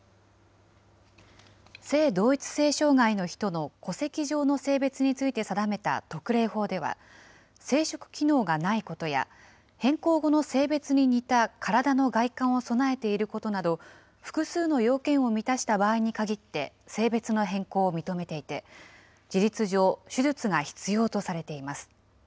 性同一性障害の人の戸籍上の性別について定めた特例法では、生殖機能がないことや、変更後の性別に似た体の外観を備えていることなど、複数の要件を満たした場合に限って、性別の変更を認めていて、事実上、手術が必要とされています。